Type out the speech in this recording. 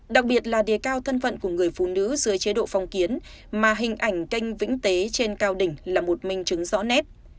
đặc biệt là đề cao thân phận của người phụ nữ dưới chế độ phong kiến mà hình ảnh canh vĩnh tế trên cao đỉnh là một minh chứng rõ nét